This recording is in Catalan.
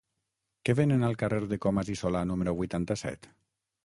Què venen al carrer de Comas i Solà número vuitanta-set?